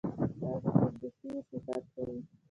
یوازې فردوسي یې صفت کوي.